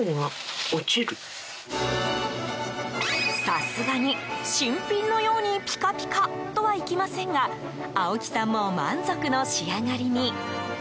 さすがに新品のようにピカピカとはいきませんが青木さんも満足の仕上がりに。